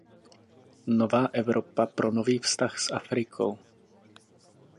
Nová Evropa pro nový vztah s Afrikou.